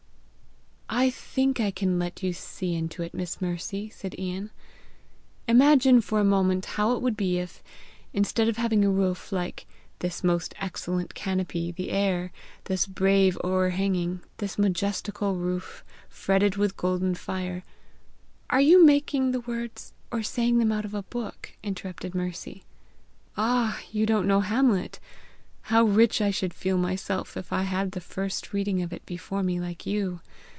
"I think I can let you see into it, Miss Mercy," said Ian. "Imagine for a moment how it would be if, instead of having a roof like 'this most excellent canopy the air, this brave o'erhanging, this majestical roof, fretted with golden fire,' " "Are you making the words, or saying them out of a book?" interrupted Mercy. "Ah! you don't know Hamlet? How rich I should feel myself if I had the first reading of it before me like you!